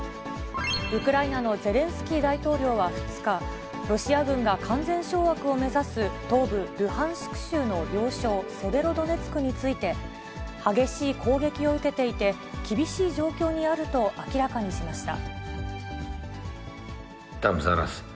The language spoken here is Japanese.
ウクライナのゼレンスキー大統領は２日、ロシア軍が完全掌握を目指す東部ルハンシク州の要衝セベロドネツクについて、激しい攻撃を受けていて、厳しい状況にあると明らかにしました。